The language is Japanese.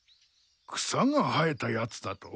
草が生えたやつだと？